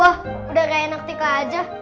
wah udah kayak naktika aja